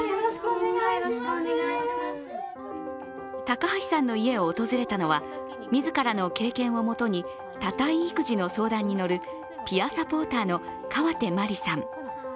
高橋さんの家を訪れたのは自らの経験を元に多胎育児の相談に乗るピアサポーターの川手麻里さん。